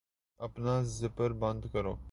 اپنا زپر بند کرو